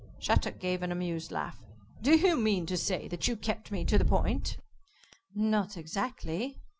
Shattuck gave an amused laugh. "Do you mean to say that you kept me to the point?" "Not exactly.